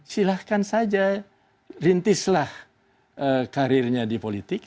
silahkan saja rintislah karirnya di politik